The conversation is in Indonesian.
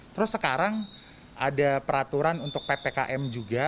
terus sekarang ada peraturan untuk ppkm juga